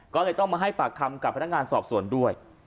ก็เลยต้องมาให้ปากคำกับพนักงานสอบสวนด้วย